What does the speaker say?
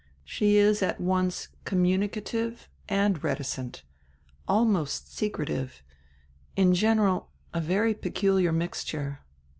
She is at once communicative and reticent, almost secretive; in general, a very peculiar mixture."